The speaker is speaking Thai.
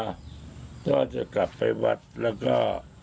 ก็จะกลับไปวัดแล้วก็